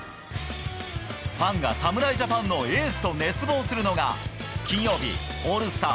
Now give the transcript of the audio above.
ファンが侍ジャパンのエースと熱望するのが金曜日、オールスター